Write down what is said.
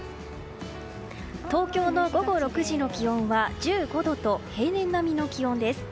東京の午後６時の気温は１５度と平年並みの気温です。